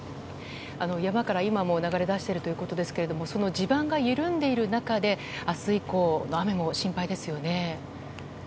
山から今も流れ出しているということですがその地盤が緩んでいる中で明日以降、雨も心配ですよね。